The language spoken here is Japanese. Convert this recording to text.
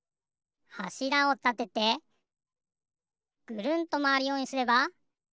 はしらをたててぐるんとまわるようにすれば。